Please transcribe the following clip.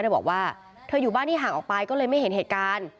บอกว่าเธออยู่บ้านที่ห่างออกไปก็เลยไม่เห็นเหตุการณ์